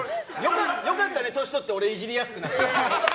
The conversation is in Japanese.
良かったね、年取って俺イジりやすくなって。